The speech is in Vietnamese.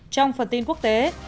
trong phần tin quốc tế